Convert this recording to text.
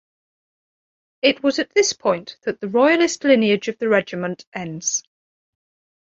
It was at this point that the royalist lineage of the regiment ends.